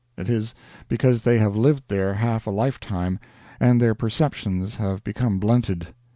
It is because they have lived there half a lifetime, and their perceptions have become blunted.